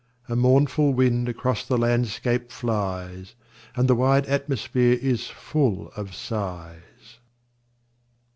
A mournful wind across the landscape flies, And the wide atmosphere is full of sighs.